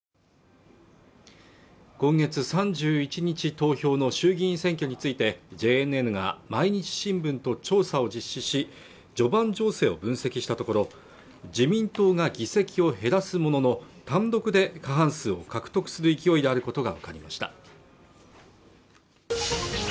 投票の衆議院選挙についてＪＮＮが毎日新聞と調査を実施し序盤情勢を分析したところ自民党が議席を減らすものの単独で過半数を獲得する勢いであることが分かりました